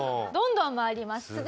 どんどん参ります。